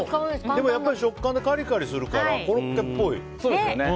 でも食感でカリカリするからコロッケっぽい。